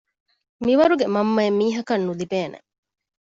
މިވަރުގެ މަންމައެއް މީހަކަށް ނުލިބޭނެ